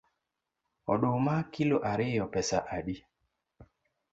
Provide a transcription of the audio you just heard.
Oduma kilo ariyo pesa adi?